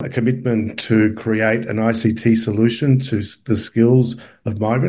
komitmen untuk menciptakan solusi ict untuk kemampuan para migran